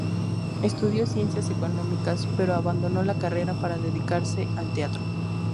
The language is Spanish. Estudió Ciencias Económicas pero abandonó la carrera para dedicarse al teatro.